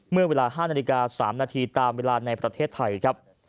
เมื่อเวลา๕นาฬิกา๓นาทีตามเวลาในประเทศไทยครับ